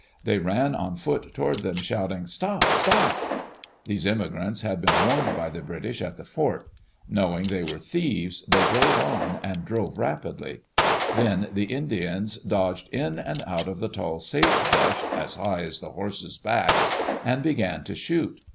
They ran on foot toward them, shouting, " Stop 1 Stop 1 " These immigrants had been warned by the British at the fort. Knowing they were thieves, they drove on, and [1381 Digitized by VjOOQ IC THE OREGON TRAILr drove rapidly. Then the Indians dodged in and out of the tall sagebrush, as high as the horses' backs, and began to shoot.